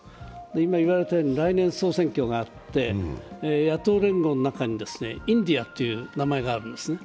今言われたように、来年総選挙があって、野党連合の中にインディアという名前があるんですね。